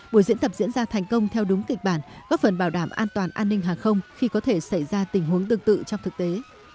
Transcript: buổi diễn tập diễn ra thành công theo đúng kịch bản góp phần bảo đảm an toàn an ninh hàng không khi có thể xảy ra tình huống tương tự trong thực tế